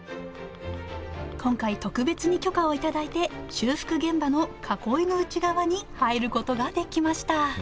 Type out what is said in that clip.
今回特別に許可を頂いて修復現場の囲いの内側に入ることができました。